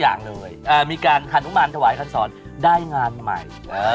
อ่ะมีการขนุมานถวายคัณศรได้งานใหม่